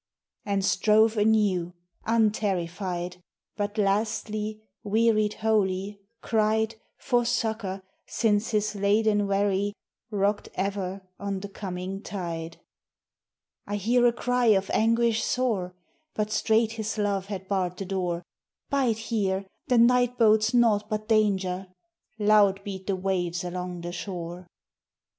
And strove anew, unterrified, But lastly, wearied wholly, cried For succor, since his laden wherry Rocked ever on the coming tide. 'I hear a cry of anguish sore!' But straight his love had barred the door: 'Bide here; the night bodes naught but danger.' Loud beat the waves along the shore.